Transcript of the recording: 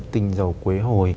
tinh dầu quế hồi